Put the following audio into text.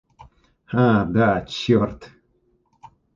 А, да, черт!